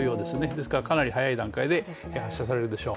ですからかなり早い段階で発射されるでしょう